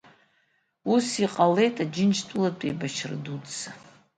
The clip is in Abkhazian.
Ус иҟалеит Аџьынџьтәылатә еибашьра Дуӡӡа.